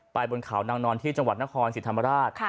บนเขานางนอนที่จังหวัดนครศรีธรรมราช